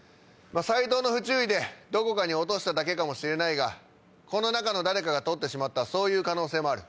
サイトウの不注意でどこかに落としただけかもしれないがこの中の誰かが盗ってしまったそういう可能性もある。